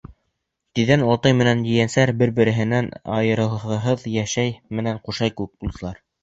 Тиҙҙән олатай менән ейәнсәр бер-береһенән айырылғыһыҙ Ишәй менән Ҡушай кеүек булдылар.